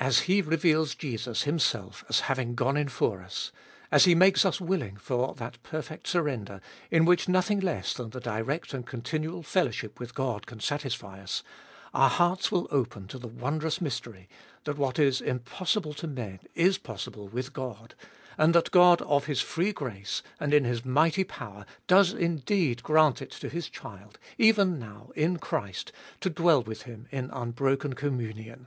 As He reveals Jesus Himself as having gone in for us ; as He makes us willing for that perfect surrender, in which nothing less than the direct and continual fellowship with God can satisfy us; our hearts will open to the wondrous mystery, that what is impossible to men 19 290 abe Dolfest of Bll is possible with God, and that God of His free grace and in His mighty power does indeed grant it to His child, even now in Christ, to dwell with Him in unbroken communion.